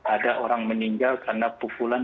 ada orang meninggal karena pukulan